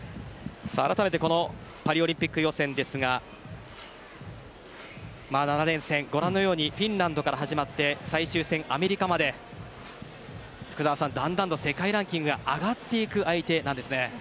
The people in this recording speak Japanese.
あらためてパリオリンピック予選ですが７連戦、ご覧のようにフィンランドから始まって最終戦・アメリカまでだんだん世界ランキングが上がっていく相手なんですね。